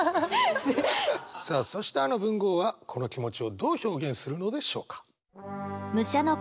さあそしてあの文豪はこの気持ちをどう表現するのでしょうか？